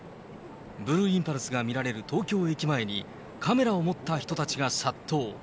ブルーインパルスが見られる東京駅前に、カメラを持った人たちが殺到。